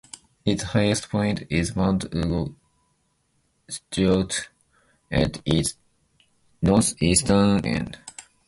Its highest point is Mount Ugo situated at its northeastern end.